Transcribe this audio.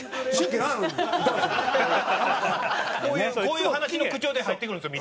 こういう話の口調で入ってくるんですよ